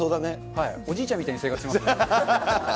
はい、おじいちゃんみたいな生活してますよ。